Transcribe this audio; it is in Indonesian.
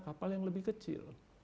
kapal yang lebih kecil